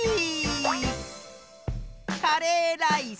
カレーライス！